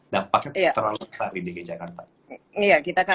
dampaknya terlalu besar dari dg jakarta